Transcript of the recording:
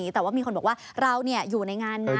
แต่ว่ามีคนบอกว่าเราอยู่ในงานนะ